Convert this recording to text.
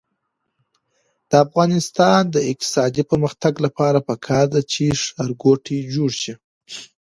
د افغانستان د اقتصادي پرمختګ لپاره پکار ده چې ښارګوټي جوړ شي.